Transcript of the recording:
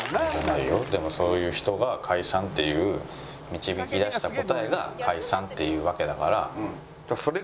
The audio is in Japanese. でもそういう人が解散っていう導き出した答えが解散っていうわけだから。